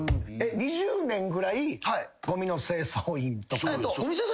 ２０年ぐらいごみの清掃員。